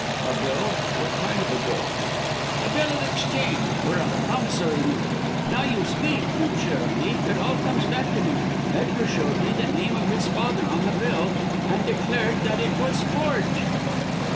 "A bill? What kind of a bill?" "A bill of exchange or a promissory note. Now you speak, mon cher ami, it all comes back to me. Edgar showed me the name of his father on the bill and declared that it was forged."